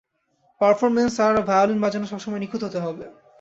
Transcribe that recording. Performance, আর violin বাজানো সবসময় নিখুঁত হতে হবে।